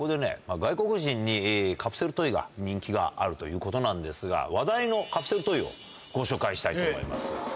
外国人にカプセルトイが人気があるということなんですが話題のカプセルトイをご紹介したいと思います。